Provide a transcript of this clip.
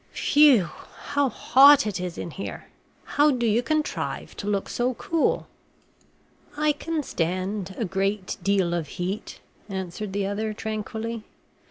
Phew ew! how hot it is here! How do you contrive to look so cool?" "I can stand a great deal of heat," answered the other, tranquilly.